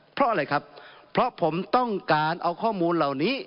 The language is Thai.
เพราะอะไรครับเพราะผมต้องการเอาข้อมูลเหล่านี้